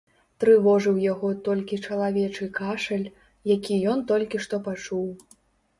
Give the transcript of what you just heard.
Трывожыў яго толькі чалавечы кашаль, які ён толькі што пачуў.